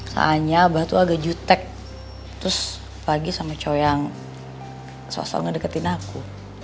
soalnya abah tuh agak jutek terus pagi sama coyang sosok ngedeketin aku